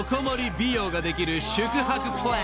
美容ができる宿泊プラン］